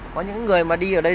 có những người mà đi ở đây